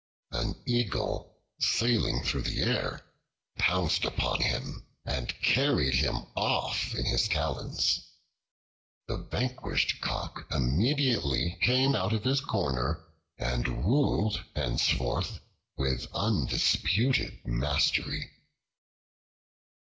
An Eagle sailing through the air pounced upon him and carried him off in his talons. The vanquished Cock immediately came out of his corner, and ruled henceforth with undisputed mastery.